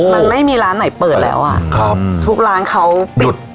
มันไม่มีร้านไหนเปิดแล้วอ่ะครับทุกร้านเขาปิด